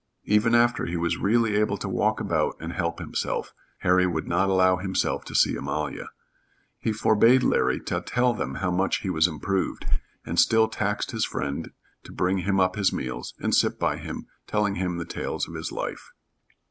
Even after he was really able to walk about and help himself, Harry would not allow himself to see Amalia. He forbade Larry to tell them how much he was improved, and still taxed his friend to bring him up his meals, and sit by him, telling him the tales of his life.